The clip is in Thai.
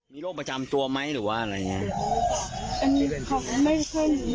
มีโรคประจำตัวมั้ยหรือเป็นอะไรอย่างนี้